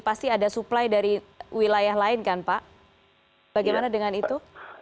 pasti ada supply dari wilayah lain kan pak bagaimana dengan itu